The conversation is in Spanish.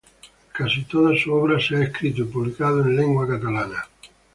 Casi toda su obra ha sido escrita y publicada en lengua catalana.